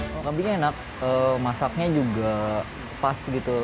kalau kambingnya enak masaknya juga pas gitu